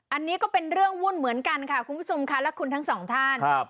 อันนี้ก็เป็นเรื่องวุ่นเหมือนกันค่ะคุณผู้ชมค่ะและคุณทั้งสองท่านครับ